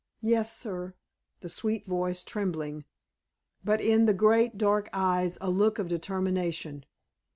"Yes, sir," the sweet voice trembling, but in the great dark eyes a look of determination.